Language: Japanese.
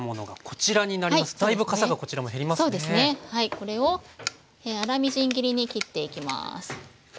これを粗みじん切りに切っていきます。